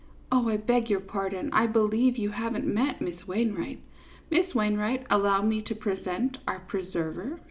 Oh, I beg your pardon, I believe you have n't met Miss Wainwright. Miss Wainwright, allow me to present our preserver, Mr. Moorfield."